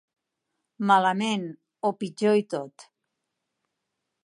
Malament, o pitjor i tot.